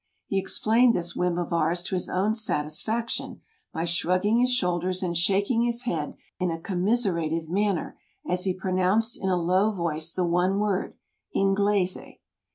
He explained this whim of ours to his own satisfaction by shrugging his shoul ders and shaking his head in a commiserative manner as he pronounced in a low voice the one word : Inglese.